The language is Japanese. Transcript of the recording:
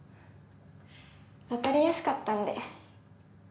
わかりやすかったんで。